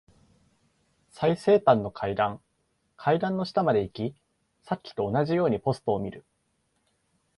最西端の階段。階段の下まで行き、さっきと同じようにポストを見る。